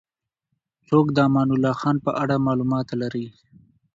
څوک د امان الله خان په اړه معلومات لري؟